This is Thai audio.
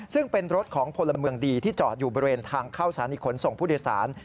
ซึ่งเป็นรถของพลเมืองดีที่จอดอยู่บริเวณทางเข้าสถานีขนส่งผู้โดยสาร